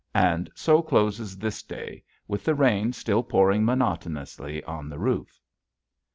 And so closes this day with the rain still pouring monotonously on the roof.